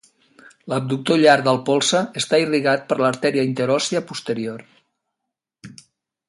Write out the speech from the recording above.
L'abductor llarg del polze està irrigat per l'artèria interòssia posterior.